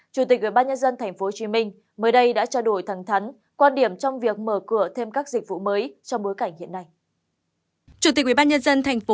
chủ tịch ubnd tp hcm mới đây đã trao đổi thẳng thắn quan điểm trong việc mở cửa thêm các dịch vụ mới trong bối cảnh hiện nay